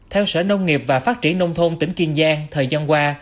theo sở nông nghiệp và phát triển nông thôn tỉnh kiên giang thời gian qua